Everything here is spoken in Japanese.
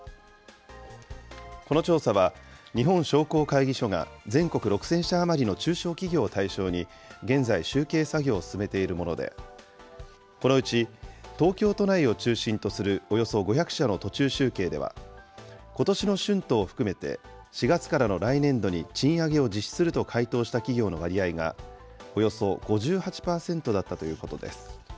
この調査は、日本商工会議所が、全国６０００社余りの中小企業を対象に、現在、集計作業を進めているもので、このうち、東京都内を中心とするおよそ５００社の途中集計では、ことしの春闘を含めて、４月からの来年度に賃上げを実施すると回答した企業の割合がおよそ５８％だったということです。